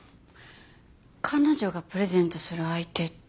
彼女がプレゼントする相手って。